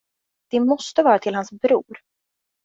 Det måste vara till hans bror.